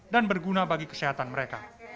dan berguna bagi kesehatan mereka